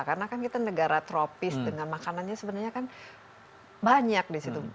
karena kan kita negara tropis dengan makanannya sebenarnya kan banyak di situ